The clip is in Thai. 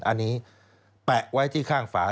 อันนี้แปะไว้ที่ข้างฝา